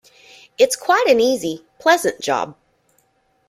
It's quite an easy, pleasant job.